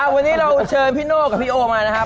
วันนี้เราเชิญพี่โน่กับพี่โอมานะครับ